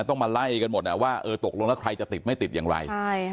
ต้องมาไล่กันหมดว่าเออตกลงแล้วใครจะติดไม่ติดอย่างไร